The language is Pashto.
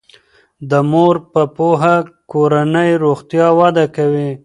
د مور په پوهه کورنی روغتیا وده کوي.